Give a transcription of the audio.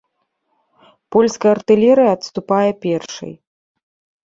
Польская артылерыя адступае першай.